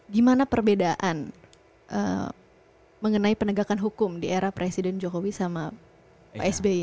gimana perbedaan mengenai penegakan hukum di era presiden jokowi sama pak sby